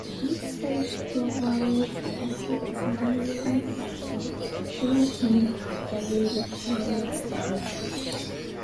This saves programmers the effort of manually linking every required extension.